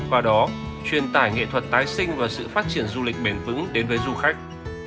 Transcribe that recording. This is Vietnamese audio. qua đó truyền tải nghệ thuật tái sinh và sự phát triển du lịch bền vững đến với du khách